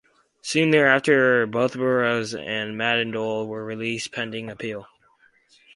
Soon thereafter both Burros and Madole were released pending appeal.